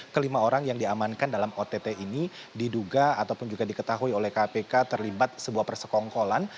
kelima orang yang diamankan dalam ott ini diduga ataupun juga diketahui oleh kpk terlibat sebuah persekongkolan